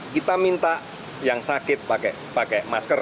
kita minta yang sakit pakai masker